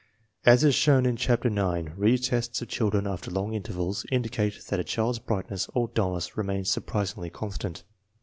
As is shown in chap ter IX, re tests of children after long intervals indi cate that a child's brightness or dullness remains surprisingly constant.